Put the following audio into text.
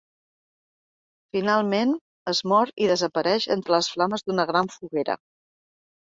Finalment, es mor i desapareix entre les flames d’una gran foguera.